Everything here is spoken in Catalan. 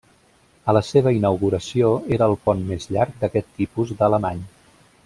A la seva inauguració era el pont més llarg d'aquest tipus d'Alemany.